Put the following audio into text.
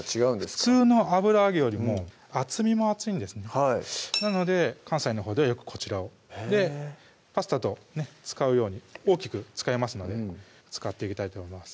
普通の油揚げよりも厚みも厚いんですねなので関西のほうではよくこちらをパスタと使うように大きく使えますので使っていきたいと思います